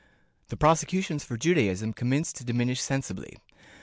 The prosecutions for Judaism com menced to diminish sensibly.